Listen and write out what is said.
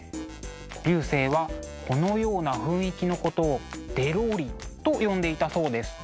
劉生はこのような雰囲気のことを「でろり」と呼んでいたそうです。